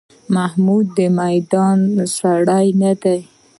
محمود د میدان سړی نه دی.